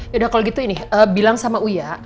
yaudah kalau gitu ini bilang sama uya